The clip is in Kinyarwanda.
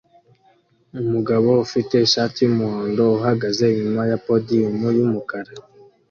umugabo ufite ishati yumuhondo uhagaze inyuma ya podium yumukara